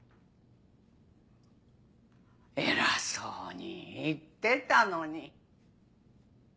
偉そうに言ってたのに。